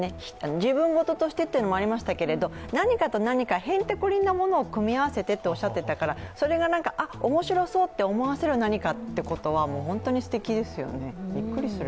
自分ごととしてというのもありましたけど、何かと何か、ヘンテコリンなものを組み合わせてとおっしゃっていたから、それが面白そうと思わせる何かということは本当にすてきですよね、びっくりする。